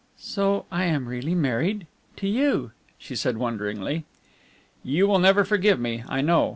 "So I am really married to you," she said wonderingly. "You will never forgive me, I know."